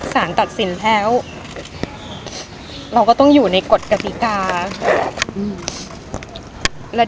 สารตัดสินแล้วเราก็ต้องอยู่ในกฎกติกา